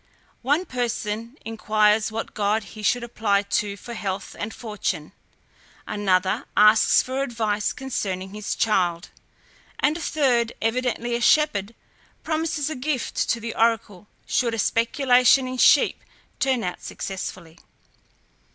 One person inquires what god he should apply to for health and fortune; another asks for advice concerning his child; and a third, evidently a shepherd, promises a gift to the oracle should a speculation in sheep turn out successfully.